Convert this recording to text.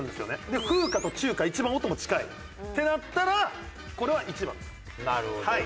で「風花と中華」一番音も近いってなったらこれは１番です。